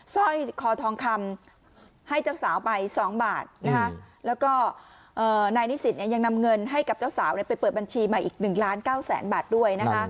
สร้อยคอทองคำให้เจ้าสาวไป๒บาทแล้วก็นายนิสิตยังนำเงินให้กับเจ้าสาวไปเปิดบัญชีมาอีก๑ล้านเก้าแสนบาทด้วยนะคะ